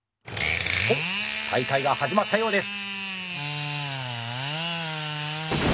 おっ大会が始まったようです！